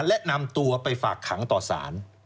และนำตัวไปฝากขังต่อสาร